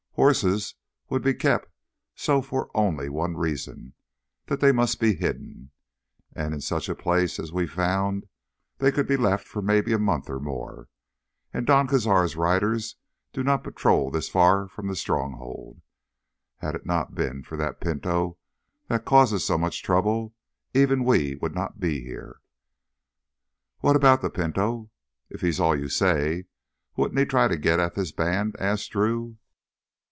Horses would be kept so for only one reason, that they must be hidden. And in such a place as we found they could be left for maybe a month, or more. Don Cazar's riders do not patrol this far away from the Stronghold. Had it not been that the Pinto causes so much trouble, even we would not be here." "What about the Pinto? If he's all you say, wouldn't he try to get at this band?" asked Drew.